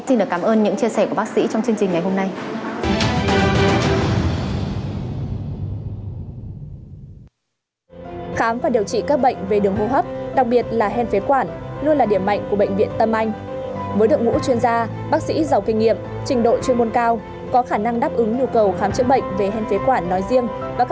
xin cảm ơn những chia sẻ của bác sĩ trong chương trình ngày hôm nay